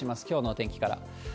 きょうのお天気から。